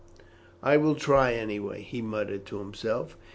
"I will try anyhow," he muttered to himself.